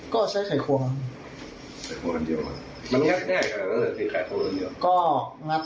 ก็ใช้ไข่ควอล์ครับ